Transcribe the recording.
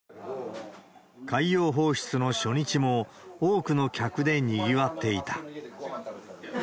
海洋放出の初日も、多くの客でにぎわっていた。